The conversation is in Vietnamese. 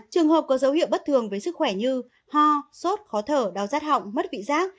trường hợp có dấu hiệu bất thường với sức khỏe như ho sốt khó thở đau rắt họng mất vị giác